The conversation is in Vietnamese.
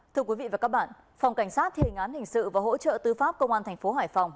thưa quý vị và các bạn phòng cảnh sát thì hình án hình sự và hỗ trợ tư pháp công an thành phố hải phòng